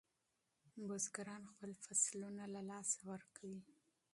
بزګران خپل فصلونه له لاسه ورکوي.